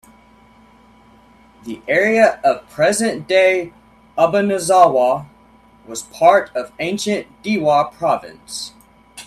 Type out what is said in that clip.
The area of present-day Obanazawa was part of ancient Dewa Province.